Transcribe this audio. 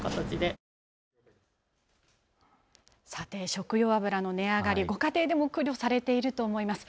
食用油の値上がり、ご家庭でも苦慮されていると思います。